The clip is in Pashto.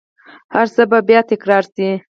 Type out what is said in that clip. هرڅه به بیا تکرار شي